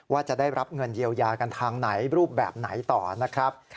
ว่าจะได้รับเงินเยียวยากันทางไหนรูปแบบไหนต่อนะครับ